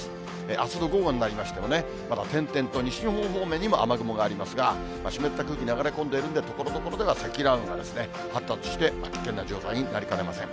あすの午後になりましてもね、まだ点々と西日本方面にも雨雲がありますが、湿った空気流れ込んでいるんで、ところどころでは積乱雲が発達して、危険な状態になりかねません。